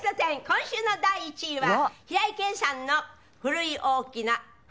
今週の第１位は平井堅さんの「古い大きな」。